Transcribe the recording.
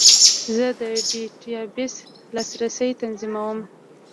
زه د ډیټابیس لاسرسی تنظیموم.